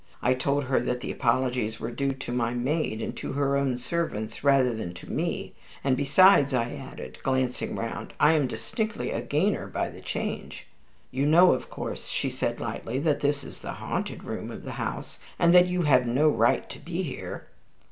I told her that the apologies were due to my maid and to her own servants rather than to me; "and besides," I added, glancing round, "I am distinctly a gainer by the change." "You know, of course," she said, lightly, "that this is the haunted room of the house, and that you have no right to be here?"